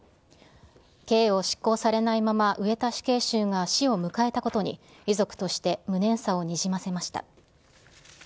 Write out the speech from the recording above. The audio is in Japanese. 刑を執行されないまま、上田死刑囚が死を迎えたことに、遺族は無念さをにじませました。